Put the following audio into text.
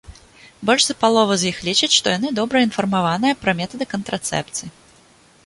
Больш за палову з іх лічаць, што яны добра інфармаваныя пра метады кантрацэпцыі.